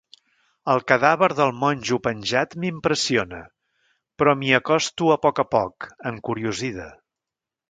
El cadàver del monjo penjat m'impressiona, però m'hi acosto a poc a poc, encuriosida.